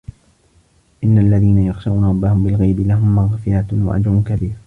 إِنَّ الَّذينَ يَخشَونَ رَبَّهُم بِالغَيبِ لَهُم مَغفِرَةٌ وَأَجرٌ كَبيرٌ